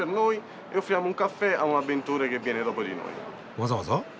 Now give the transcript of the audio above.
わざわざ？